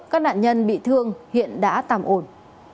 các nạn nhân bị thương hiện đã tạm ổn